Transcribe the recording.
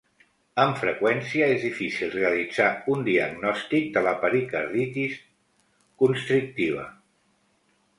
Amb freqüència, és difícil realitzar un diagnòstic de la pericarditis constrictiva.